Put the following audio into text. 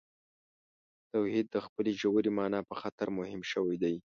توحید د خپلې ژورې معنا په خاطر مهم شوی دی.